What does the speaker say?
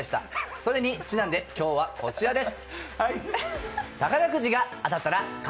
それにちなんで今日はこちらです。